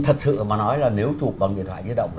thật sự mà nói là nếu chụp bằng điện thoại di động